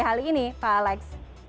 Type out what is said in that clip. kali ini pak alex